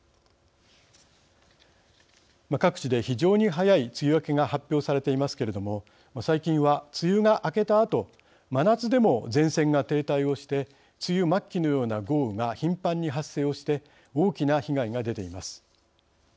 各地で非常に早い梅雨明けが発表されていますけれども最近は、梅雨が明けたあと真夏でも前線が停滞をして梅雨末期のような豪雨が頻繁に発生をして大きな被害が出ています。